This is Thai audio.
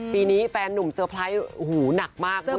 ปีนี้แฟนนุ่มเซอร์ไพรส์หูหนักมากคุณผู้ชม